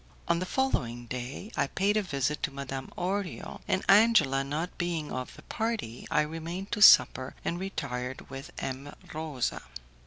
On the following day I paid a visit to Madame Orio, and Angela not being of the party, I remained to supper and retired with M. Rosa.